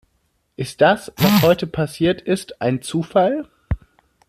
Ist das, was heute passiert ist, ein Zufall?